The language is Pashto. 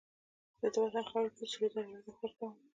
زه د وطن خاورې ته د سرو زرو ارزښت ورکوم